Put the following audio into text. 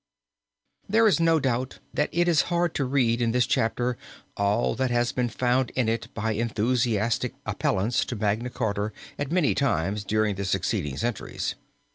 There is no doubt that it is hard to read in this chapter all that has been found in it by enthusiastic appellants to Magna Charta at many times during the succeeding centuries.